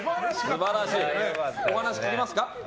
お話聞きますか。